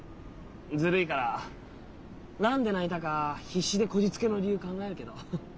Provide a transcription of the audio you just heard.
ずるいから何で泣いたか必死でこじつけの理由考えるけど。